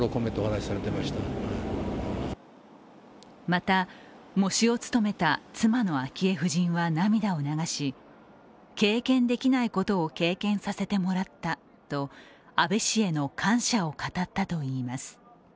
また、喪主を務めた妻の昭恵夫人は涙を流し、経験できないことを経験させてもらったと安倍氏への感謝を語ったといいます。